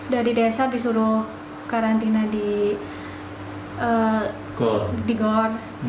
dari desa disuruh karantina di gor